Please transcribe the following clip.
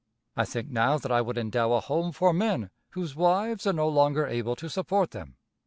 I think now that I would endow a home for men whose wives are no longer able to support them.